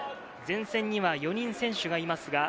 前線には４人選手がいます。